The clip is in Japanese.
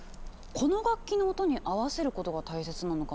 この楽器の音に合わせることが大切なのかも。